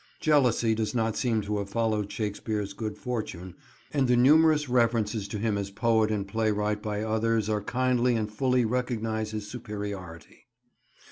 Jealousy does not seem to have followed Shakespeare's good fortune, and the numerous references to him as poet and playwright by others are kindly and fully recognise his superiority.